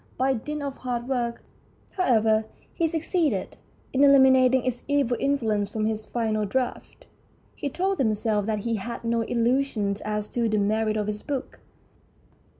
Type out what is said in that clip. By dint of hard work, however, he succeeded 122 THE STORY OF A BOOK in eliminating its evil influence from his final draft. He told himself that he had no illusions as to the merits of his book.